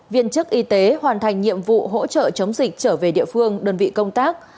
viên chức y tế hoàn thành nhiệm vụ hỗ trợ chống dịch trở về địa phương đơn vị công tác